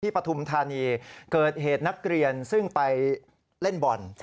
ปฐุมธานีเกิดเหตุนักเรียนซึ่งไปเล่นบ่อน